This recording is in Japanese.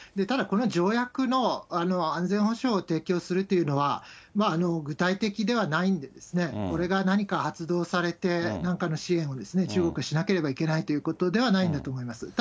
ただ、これは条約の安全保障提供するというのは、具体的ではないんで、これが何か発動されて、なんかの支援を中国、しなければいけないということではないんだと思います。